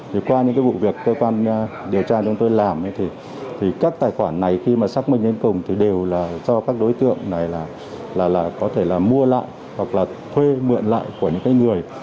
thì qua những cái vụ việc cơ quan điều tra chúng tôi làm thì các tài khoản này khi mà xác minh lên cùng thì đều là do các đối tượng này là có thể là mua lại hoặc là thuê mượn lại của những cái người